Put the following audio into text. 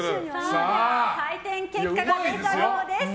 採点結果が出たようです。